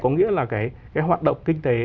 có nghĩa là cái hoạt động kinh tế